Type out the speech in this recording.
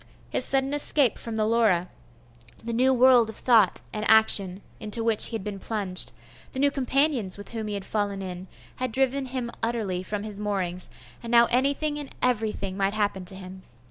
His sudden escape from the Laura, the new world of thought and action into which he had been plunged, the new companions with whom he had fallen in, had driven him utterly from his moorings, and now anything and everything might happen to him.